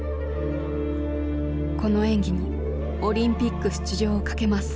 この演技にオリンピック出場をかけます。